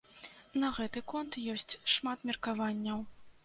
На гэты конт ёсць шмат меркаванняў.